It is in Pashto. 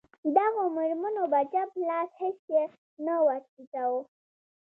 دغو مېرمنو به چپ لاس هېڅ شي ته نه ور ټیټاوه.